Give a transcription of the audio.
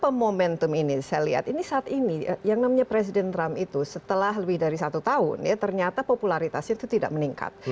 karena momentum ini saya lihat ini saat ini yang namanya presiden trump itu setelah lebih dari satu tahun ya ternyata popularitasnya itu tidak meningkat